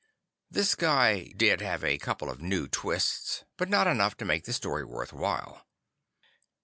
This guy did have a couple of new twists, but not enough to make the story worthwhile.